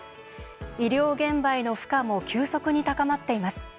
医療機関への負荷も急速に高まっています。